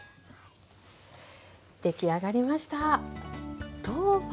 出来上がりました。